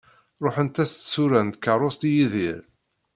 Ruḥent-as tsura n tkerrust i Yidir.